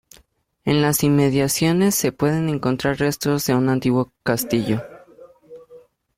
En las inmediaciones se pueden encontrar restos de un antiguo castillo.